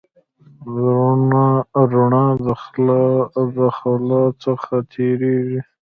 رڼا د خلا څخه تېرېږي.